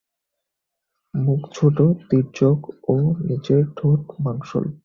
মুখ ছোট, তির্যক ও নিচের ঠোঁট মাংসল।